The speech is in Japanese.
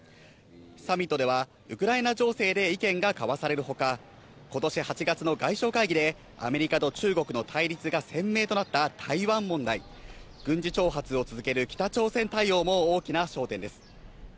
サミットではウクライナ情勢で意見が交わされるほか、今年８月の外相会議でアメリカと中国の対立が鮮明となった台湾問題、軍事挑発を続ける北朝鮮対応も大きな焦点です。